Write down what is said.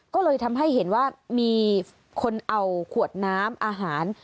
ก็เลยทำให้เห็นว่ามีคนเอาขวดน้ำอาหาร